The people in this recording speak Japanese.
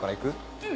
うん。